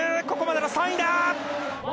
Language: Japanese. ここまでの３位だ！